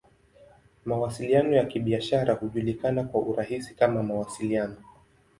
Mawasiliano ya Kibiashara hujulikana kwa urahisi kama "Mawasiliano.